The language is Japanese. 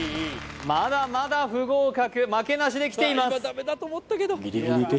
まだまだ不合格負けなしできています